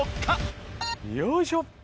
よいしょ！